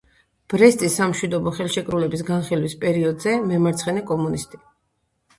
ბრესტის სამშვიდობო ხელშეკრულების განხილვის პერიოდზე „მემარცხენე კომუნისტი“.